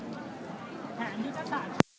และที่อยู่ด้านหลังคุณยิ่งรักนะคะก็คือนางสาวคัตยาสวัสดีผลนะคะ